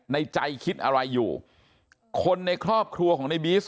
ในใจคิดอะไรอยู่คนในครอบครัวของในบีส